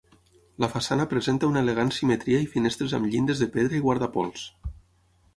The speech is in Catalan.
La façana presenta una elegant simetria i finestres amb llindes de pedra i guardapols.